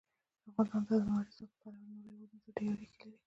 افغانستان د لمریز ځواک له پلوه له نورو هېوادونو سره ډېرې اړیکې لري.